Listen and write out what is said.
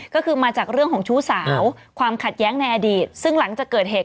ก็คือมาจากเรื่องของชู้สาวความขัดแย้งในอดีตซึ่งหลังจากเกิดเหตุ